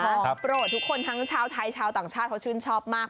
โปรดทุกคนทั้งชาวไทยชาวต่างชาติเขาชื่นชอบมาก